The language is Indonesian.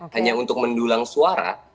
hanya untuk mendulang suara